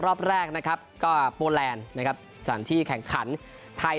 รอบแรกนะครับก็โปแลนด์นะครับสถานที่แข่งขันไทย